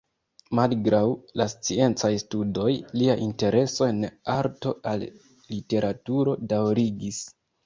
Malgraŭ la sciencaj studoj, lia intereso en arto kaj literaturo daŭrigis.